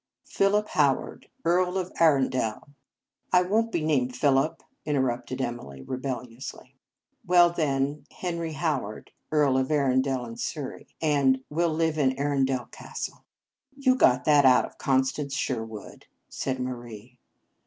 " Philip Howard, Earl of Arun del" " I won t be named Philip," inter rupted Emily rebelliously. " Well, then, Henry Howard, Earl of Arundel and Surrey, and we ll live in Arundel Castle." 158 Marriage Vows " You got that out of Constance Sherwood, " said Marie.